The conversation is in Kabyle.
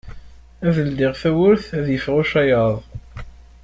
Ad ldiɣ tawwurt ad yeffeɣ ucayaḍ.